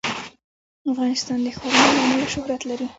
افغانستان د ښارونه له امله شهرت لري.